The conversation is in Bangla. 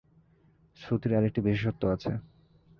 শ্রুতির আর একটি বিশেষত্ব আছে।